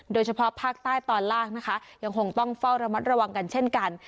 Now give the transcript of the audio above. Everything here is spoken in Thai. โดยเฉพาะภาคใต้ตอนล่างนะคะยังคงต้องเฝ้าระมัดระวังกันเช่นกัน